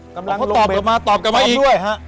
กำลังตอบกลับมาอีก